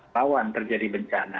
lawan terjadi bencana